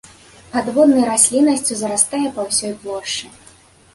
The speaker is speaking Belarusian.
Падводнай расліннасцю зарастае па ўсёй плошчы.